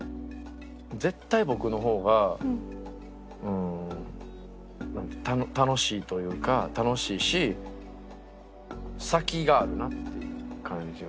絶対僕の方が楽しいというか楽しいし先があるなっていう感じは。